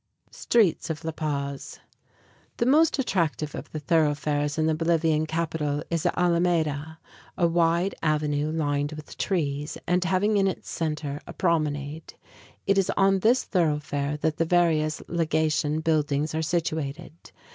Streets of La Paz The most attractive of the thoroughfares in the Bolivian capital is the Alameda, a wide avenue lined with trees, and having in its center a promenade. It is on this thoroughfare that the various legation buildings are situated.